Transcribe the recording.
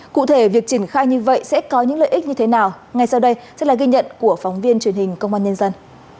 cụ thể việc triển khai như vậy sẽ có những lợi ích như thế nào ngay sau đây sẽ là ghi nhận của phóng viên truyền hình công an nhân dân